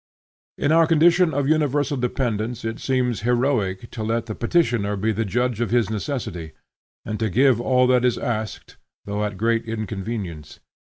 In our condition of universal dependence it seems heroic to let the petitioner be the judge of his necessity, and to give all that is asked, though at great inconvenience.